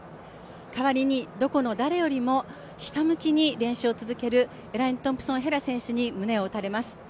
代わりにどこの誰よりもひたむきに練習を続けるエライン・トンプソン・ヘラ選手に胸を打たれます。